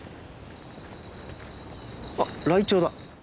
あっライチョウだ！